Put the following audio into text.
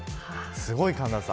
すごい寒暖差。